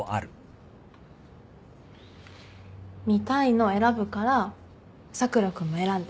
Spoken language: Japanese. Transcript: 見たいの選ぶから佐倉君も選んで。